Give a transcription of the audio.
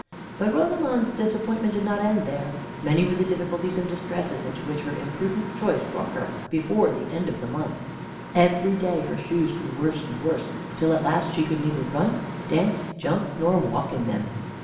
But Rosamond's disappointment did not end here. Many were the difficulties and distresses into which her imprudent choice brought her, before the end of the month. Every day her shoes grew worse and worse, till as last she could neither run, dance, jump, nor walk in them.